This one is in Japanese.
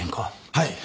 はい。